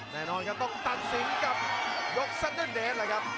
แน่นอนครับต้องตัดสินกับยกสัตว์เด้นแหละครับ